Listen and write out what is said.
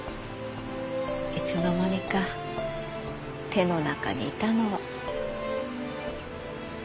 いつの間にか手の中にいたのは。